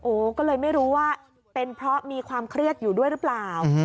ก็เลยไม่รู้ว่าเป็นเพราะมีความเครียดอยู่ด้วยหรือเปล่า